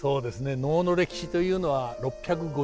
能の歴史というのは６５０年以上。